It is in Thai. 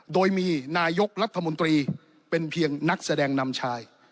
โดยมีนายกรัฐมนตรีเป็นเพียงนักแสดงนำชาย